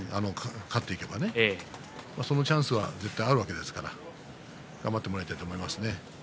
勝っていけばねそのチャンスは絶対あるわけですから頑張ってもらいたいと思いますね。